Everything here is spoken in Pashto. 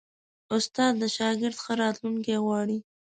استاد د شاګرد ښه راتلونکی غواړي.